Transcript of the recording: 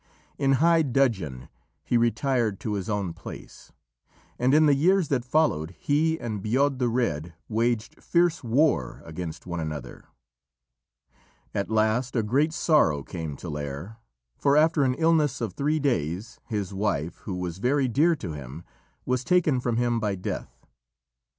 In high dudgeon he retired to his own place, and in the years that followed he and Bodb the Red waged fierce war against one another. At last a great sorrow came to Lîr, for after an illness of three days his wife, who was very dear to him, was taken from him by death.